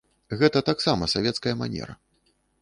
Гэта таксама савецкая манера.